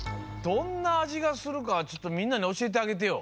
どんなあじがするかちょっとみんなにおしえてあげてよ。